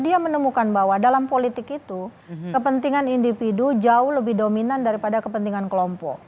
dia menemukan bahwa dalam politik itu kepentingan individu jauh lebih dominan daripada kepentingan kelompok